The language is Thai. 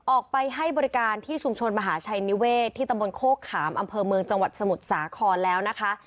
ออกไปให้บริการที่ชุมชนมหาชัยนิเวศที่ตำบลโคกขามอำเภอเมืองจังหวัดสมุทรสาครแล้วนะคะ